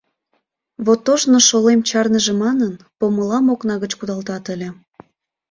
— Вот ожно шолем чарныже манын, помылам окна гыч кудалтат ыле.